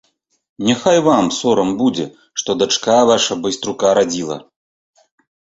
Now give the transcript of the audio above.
Няхай вам сорам будзе, што дачка ваша байструка радзіла.